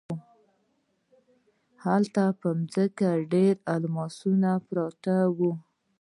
هلته په ځمکه ډیر الماسونه پراته وو.